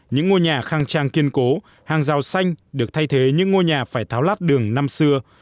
những ngôi nhà khang trang kiên cố hàng rào xanh được thay thế những ngôi nhà phải tháo lát đường năm xưa